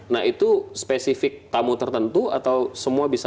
nah itu spesifik tamu tertentu atau semua bisa